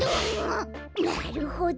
なるほど。